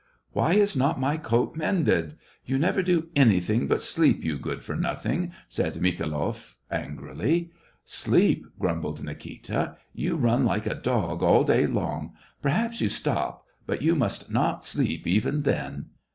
" Why is riot my coat mended } You never do anything but sleep, you good for nothing !" said Mikhailoff, angrily. ," Sleep !" grumbled Nikita. " You run like a dog all day long; perhaps you stop — but you must not sleep, even then